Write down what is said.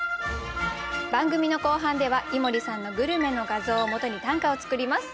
番組の後半では井森さんのグルメの画像をもとに短歌を作ります。